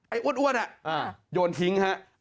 ไอ้อ้วนนี่โยนทิ้งครับ